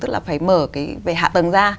tức là phải mở cái về hạ tầng ra